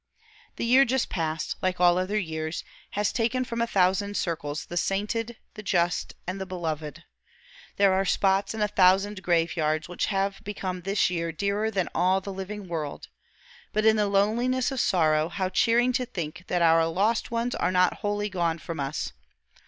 The year just past, like all other years, has taken from a thousand circles the sainted, the just, and the beloved; there are spots in a thousand graveyards which have become this year dearer than all the living world; but in the loneliness of sorrow how cheering to think that our lost ones are not wholly gone from us!